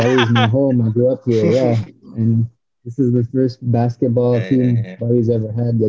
bali adalah rumahku aku tumbuh disini ini adalah pasukan bola bola pertama yang pernah bali punya